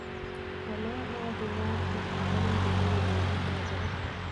ކަލާއާއި ދިމާއަށް އަހަރެން ބެލީ ލޯބީގެ ނަޒަރުން